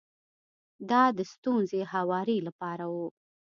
دا د ستونزې د هواري لپاره و.